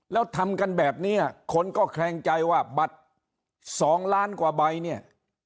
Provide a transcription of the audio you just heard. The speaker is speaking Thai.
แล้วทำกันแบบนี้คนก็แคลงใจว่าบัตร๒ล้านกว่าใบเนี่ย